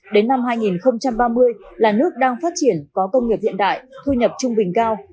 đến năm hai nghìn ba mươi là nước đang phát triển có công nghiệp hiện đại thu nhập trung bình cao